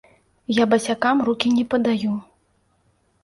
Я басякам рукі не падаю.